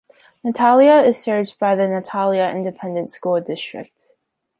Natalia is served by the Natalia Independent School District.